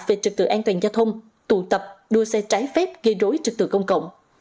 về trực tự an toàn giao thông tụ tập đua xe trái phép gây rối trực tự công cộng